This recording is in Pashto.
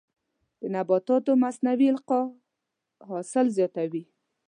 د نباتاتو مصنوعي القاح حاصل زیاتوي.